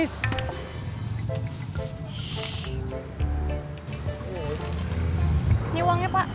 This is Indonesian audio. masih di ruangnya pak